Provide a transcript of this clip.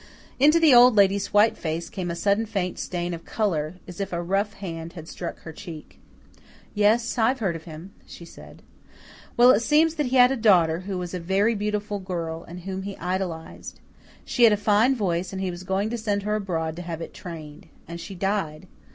Into the Old Lady's white face came a sudden faint stain of colour, as if a rough hand had struck her cheek. "Yes, I've heard of him," she said. "Well, it seems that he had a daughter, who was a very beautiful girl, and whom he idolized. She had a fine voice, and he was going to send her abroad to have it trained. And she died.